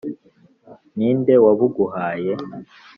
Ni nde wabuguhaye?